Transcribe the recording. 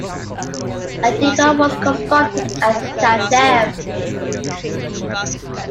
A depot was constructed at Thatcham.